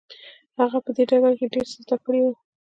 هغه په دې ډګر کې ډېر څه زده کړي وو.